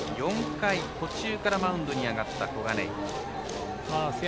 ４回途中からマウンドに上がった小金井。